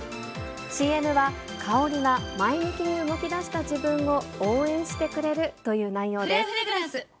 ＣＭは、香りが前向きに動きだした自分を応援してくれるという内容です。